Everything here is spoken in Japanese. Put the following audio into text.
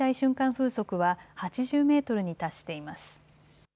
風速は８０メートルに達しています。